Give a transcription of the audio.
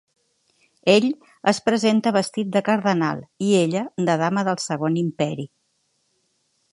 Ell es presenta vestit de cardenal i ella de dama del Segon Imperi.